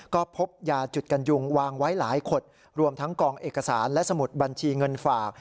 ก็พบยาจุดกันยุงวางไว้หลายขดรวมทั้งกองเอกสารและสมุดบัญชีเงินฝาก